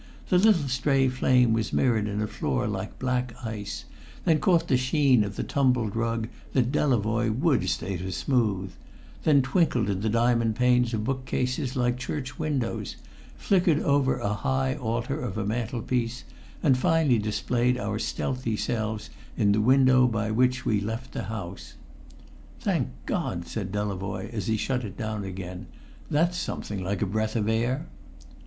The little stray flame was mirrored in a floor like black ice, then caught the sheen of the tumbled rug that Delavoye would stay to smooth, then twinkled in the diamond panes of bookcases like church windows, flickered over a high altar of a mantelpiece, and finally displayed our stealthy selves in the window by which we left the house. "Thank God!" said Delavoye as he shut it down again. "That's something like a breath of air!"